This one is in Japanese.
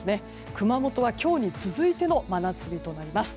熊本は今日に続いての真夏日となります。